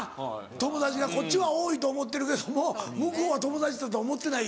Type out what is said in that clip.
友達がこっちは多いと思ってるけども向こうは友達だと思ってない。